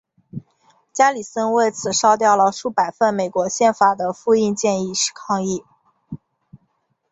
加里森为此烧掉了数百份美国宪法的复印件以示抗议。